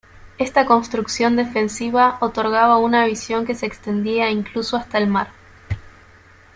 Esta construcción defensiva otorgaba una visión que se extendía incluso hasta el mar.